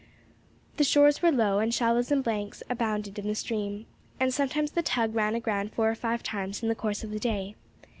The shores were low, and shallows and banks abounded in the stream, and sometimes the tug ran aground four or five times in the course of the day.